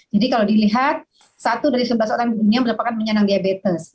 jadi kalau dilihat satu dari sebelas orang di dunia merupakan penyakit diabetes